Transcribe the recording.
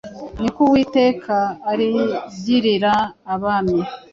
niko Uwiteka arigirira abami